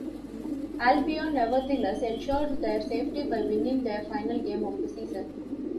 Albion nevertheless ensured their safety by winning their final game of the season.